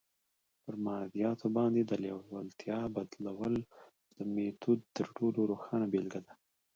پر مادياتو باندې د لېوالتیا بدلولو د ميتود تر ټولو روښانه بېلګه ده.